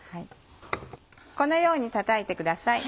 このように叩いてください。